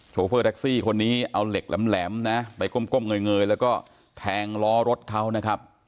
โฟเฟอร์แท็กซี่คนนี้เอาเหล็กแหลมนะไปก้มเงยแล้วก็แทงล้อรถเขานะครับ